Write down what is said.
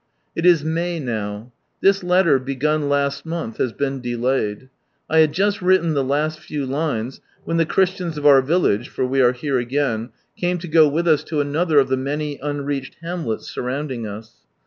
It is May now. This letter, begun last month, has been delayed. I had just written the last few lines, when the Christians of our village (for we are here again) came to go with us to another of the many unreached hamlets surrounding us.